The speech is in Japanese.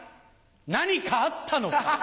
何かあったのか？